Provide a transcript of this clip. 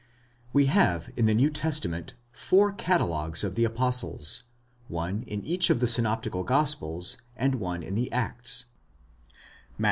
We have in the New Testament four catalogues of the apostles; one in each of the synoptical gospels, and one in the Acts (Matt.